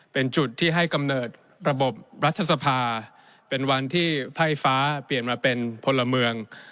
เป็นจุดที่ให้กำเนิดระบบรัฐสภาเป็นวันที่ไพ่ฟ้าเปลี่ยนมาเป็นพลเมือง